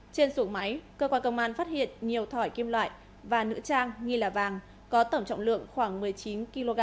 trên xuồng máy cơ quan công an phát hiện nhiều thỏi kim loại và nữ trang nghi là vàng có tổng trọng lượng khoảng một mươi chín kg